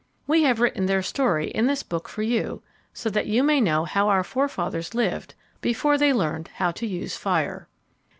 We have written their story in this book for you, so that you may know how our forefathers lived before they learned how to use fire.